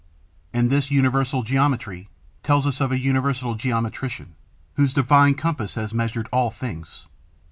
And this universal geometry tells us of an Universal Geometrician, whose divine compass has measured all things.